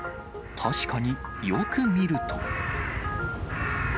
確かによく見ると。